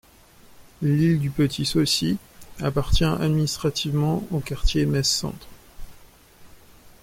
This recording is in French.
L’île du Petit-Saulcy appartient administrativement au quartier Metz-Centre.